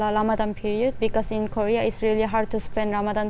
mungkin dalam periode ramadan karena di korea sangat sulit untuk menghabiskan waktu ramadan